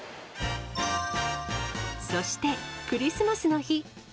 そしてクリスマスの日。